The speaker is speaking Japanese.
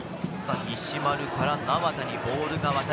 西丸から名和田にボールが渡る。